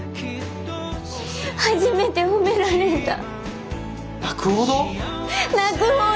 初めて褒められた。